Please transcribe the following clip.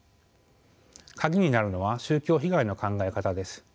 鍵になるのは宗教被害の考え方です。